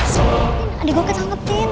tidak adik gue kesanggupin